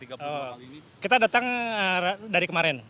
kita datang dari kemarin